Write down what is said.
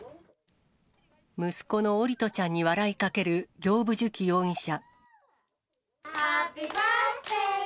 息子の桜利斗ちゃんに笑いかける行歩寿希容疑者。